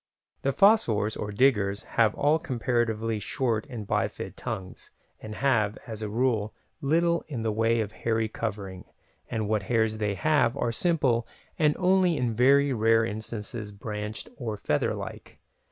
The fossors, or "diggers", have all comparatively short and bifid tongues, and have, as a rule, little in the way of hairy covering, and what hairs they have are simple and only in very rare instances branched or feather like.